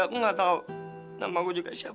aku sangat memimpin build